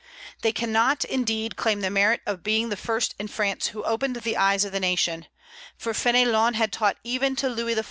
"They cannot, indeed, claim the merit of being the first in France who opened the eyes of the nation; for Fénelon had taught even to Louis XIV.